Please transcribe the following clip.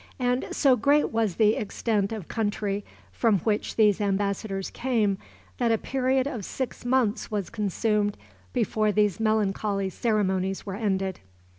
And so great was the extent of country from which these embassadors came that a period of six months was consumed before these melancholy ceremonies were ended.